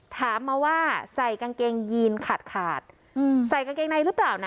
ถามมาว่าใส่กางเกงยีนขาดขาดอืมใส่กางเกงในหรือเปล่านะ